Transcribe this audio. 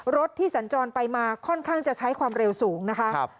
รถที่สัญจรไปมาค่อนข้างจะใช้ความเร็วสูงนะคะ